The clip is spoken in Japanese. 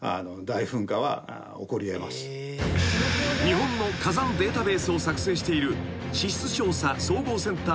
［日本の火山データベースを作成している］